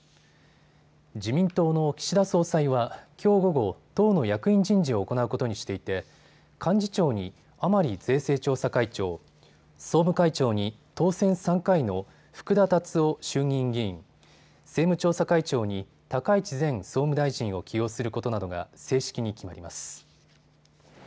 自民党の岸田総裁はきょう午後、党の役員人事を行うことにしていて幹事長に甘利税制調査会長、総務会長に当選３回の福田達夫衆議院議員、政務調査会長に高市前総務大臣を起用することなどが正式に決まります。